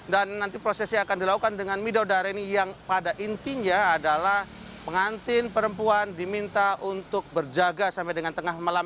dan nanti prosesnya akan dilakukan dengan midodareni yang pada intinya adalah pengantin perempuan diminta untuk berjaga sampai dengan tengah malam